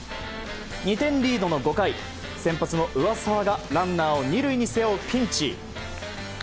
２点リードの５回、先発の上沢がランナーを２塁に背負うピンチ。